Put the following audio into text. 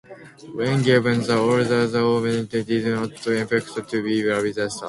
When given the order, the Admiral did not expect to be victorious.